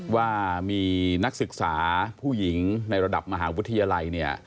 ว่ามีนักศึกษาผู้หญิงในระดับมหาวิทยาลัยเนี่ย